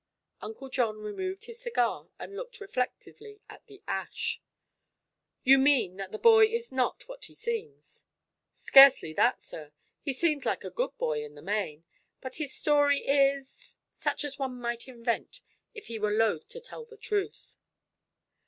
Uncle John removed his cigar and looked reflectively at the ash. "You mean that the boy is not what he seems?" "Scarcely that, sir. He seems like a good boy, in the main. But his story is such as one might invent if he were loath to tell the truth."